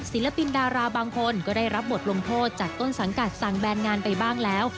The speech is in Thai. ศิลปินดาราบางคนก็ได้รับบทลงโทษจากต้นสังกัดสั่งแบนงานไปบ้างแล้ว